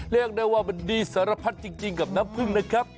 เรียกได้ว่ามันดีสารพัดจริงกับน้ำพึ่งนะครับ